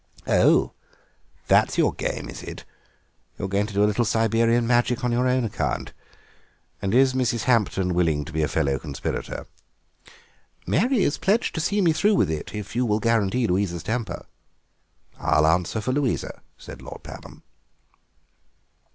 "Oh, that's your game, is it? You are going to do a little Siberian Magic on your own account. And is Mrs. Hampton willing to be a fellow conspirator?" "Mary is pledged to see me through with it, if you will guarantee Louisa's temper." "I'll answer for Louisa," said Lord Pabham.